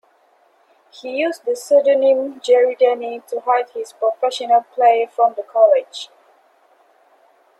He used the pseudonym "Jerry Denny" to hide his professional play from the college.